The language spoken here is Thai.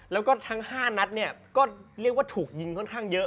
แล้วก็ทั้ง๕นัดเนี่ยก็เรียกว่าถูกยิงค่อนข้างเยอะ